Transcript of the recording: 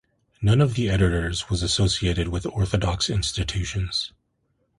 None of the editors was associated with Orthodox institutions.